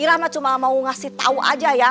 aku cuma mau kasih tahu aja ya